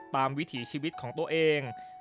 วิถีชีวิตของตัวเอง